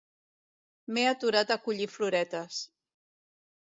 M'he aturat a collir floretes.